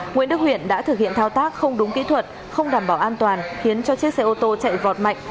nguyễn đức huyện đã thực hiện thao tác không đúng kỹ thuật không đảm bảo an toàn khiến cho chiếc xe ô tô chạy vọt mạnh